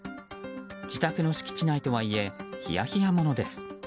自宅の敷地内とはいえひやひやものです。